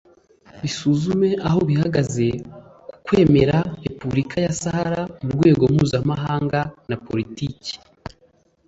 bisuzume aho bihagaze ku kwemera Repubulika ya Sahara mu rwego mpuzamahanga na Politiki